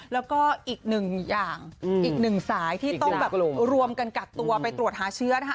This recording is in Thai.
แล้วก็อีกหนึ่งอย่างอีกหนึ่งสายที่ต้องแบบรวมกันกักตัวไปตรวจหาเชื้อนะคะ